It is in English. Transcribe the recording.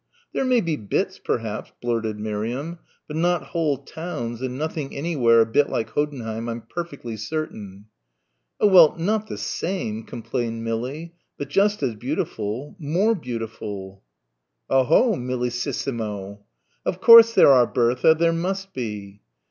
"There may be bits, perhaps," blurted Miriam, "but not whole towns and nothing anywhere a bit like Hoddenheim, I'm perfectly certain." "Oh, well, not the same," complained Millie, "but just as beautiful more beautiful." "Oh ho, Millississimo." "Of course there are, Bertha, there must be."